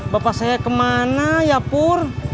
bapak saya ke mana ya pur